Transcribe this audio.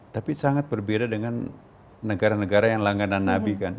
tapi sangat berbeda dengan negara negara yang langganan nabi kan